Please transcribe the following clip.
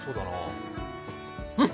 うん！